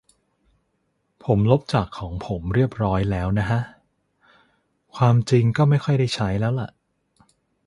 ผมลบจากของผมเรียบแล้วนะฮะ ความจริงก็ไม่ค่อยได้ใช้ แล้วล่ะ